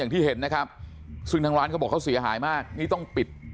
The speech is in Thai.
ที่เห็นนะครับซึ่งทางร้านเขาบอกเขาเสียหายมากนี่ต้องปิด